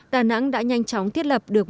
đà nẵng đã nhanh chóng thiết lập được